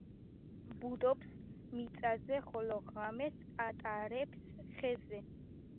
ბუდობს მიწაზე, ხოლო ღამეს ატარებს ხეზე.